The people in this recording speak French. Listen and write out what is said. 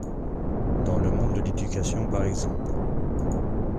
Dans le monde de l’éducation par exemple.